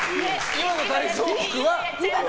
今の体操服は。